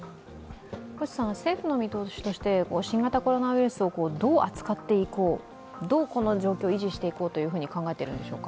星さん、政府の見通しとして、新型コロナウイルスをどう扱っていこう、どうこの状況を維持していこうと考えているのでしょうか？